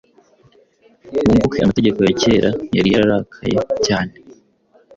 Wunguke amategeko ya kera yari yararakaye cyane